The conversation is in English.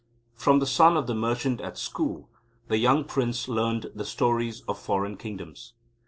From the Son of the Merchant at school the young Prince learnt the stories of foreign kingdoms.